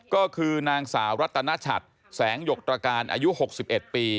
ก็คือนางสาวรัตนชัดแสงหยกตรการอายุ๖๑ปี